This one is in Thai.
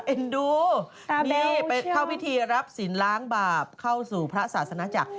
เอ็นดูนี่ไปเข้าพิธีรับศิลปล้างบาปเข้าสู่พระศาสนาจักร